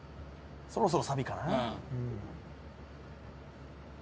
そろそろサビかな。